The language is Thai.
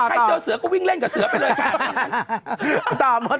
เจอเสือก็วิ่งเล่นกับเสือไปเลยค่ะ